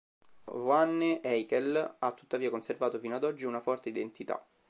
Wanne-Eickel ha tuttavia conservato fino ad oggi una forte identità.